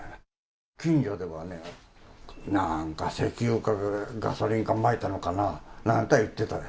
近所ではね、なんか石油かガソリンかまいたのかな？なんて言ってたね。